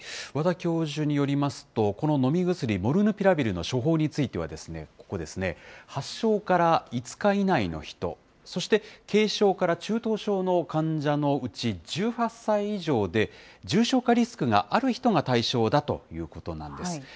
和田教授によりますと、この飲み薬、モルヌピラビルの処方については、ここですね、発症から５日以内の人、そして軽症から中等症の患者のうち、１８歳以上で、重症化リスクがある人が対象だということなんです。